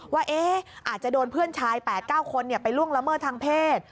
ว่าอาจจะโดนเพื่อนชาย๘๙คนไปล่วงละเมิดทางเพศ